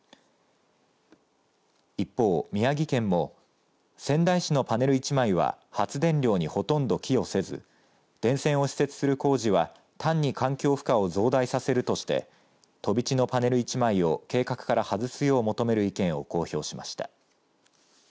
一方、宮城県も仙台市のパネル１枚は発電量にほとんど寄与せず電線を施設する工事は、単に環境負荷を増大させるとして飛び地のパネル１枚を計画から外すよう求める意見を公表しました。